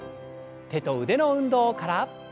手と腕の運動から。